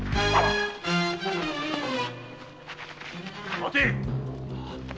待て！